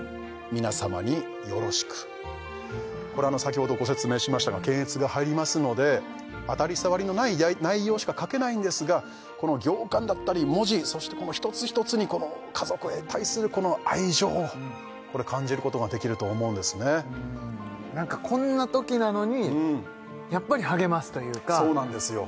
「皆様によろしく」これ先ほどご説明しましたが検閲が入りますので当たり障りのない内容しか書けないんですがこの行間だったり文字そしてこの一つ一つにこの家族へ対するこの愛情をこれ感じることができると思うんですねなんかこんなときなのにやっぱり励ますというかそうなんですよ